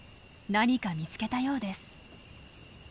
何か見つけたようです。